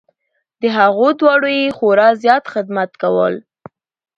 د هغو دواړو یې خورا زیات خدمت کول .